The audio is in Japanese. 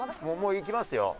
もう行きますよ。